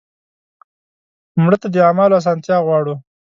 مړه ته د اعمالو اسانتیا غواړو